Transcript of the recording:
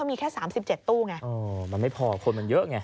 มันไม่พอคนมันเยอะไง